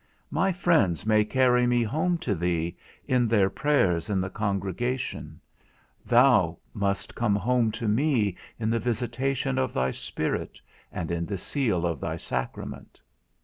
My friends may carry me home to thee, in their prayers in the congregation; thou must come home to me in the visitation of thy Spirit, and in the seal of thy sacrament.